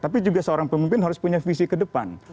tapi juga seorang pemimpin harus punya visi ke depan